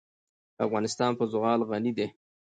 افغانستان په زغال غني دی.